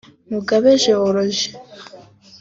Mugabo George